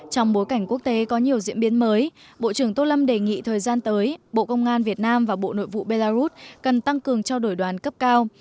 trong bối cảnh quốc tế có nhiều diễn biến mới bộ trưởng tô lâm đề nghị thời gian tới bộ công an việt nam và bộ nội vụ belarus cần tăng cường trao đổi đoàn cấp cao